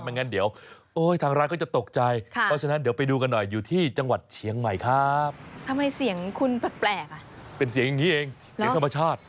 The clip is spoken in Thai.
นี่แหละครับอยู่ที่จังหวัดเชียงใหม่